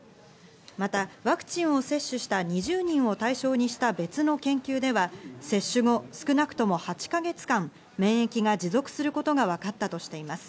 またワクチンを接種した２０人を対象にした別の研究では、接種後、少なくとも８か月間免疫が持続することがわかったとしています。